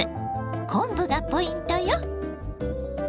昆布がポイントよ。